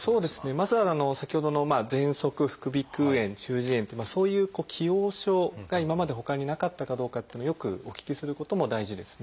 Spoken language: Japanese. まずは先ほどのぜんそく副鼻腔炎中耳炎というそういう既往症が今までほかになかったかどうかっていうのよくお聞きすることも大事ですね。